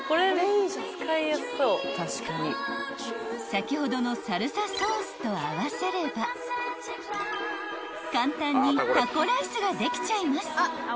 ［先ほどのサルサソースと合わせれば簡単にタコライスができちゃいます］